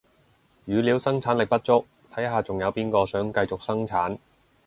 語料生產力不足，睇下仲有邊個想繼續生產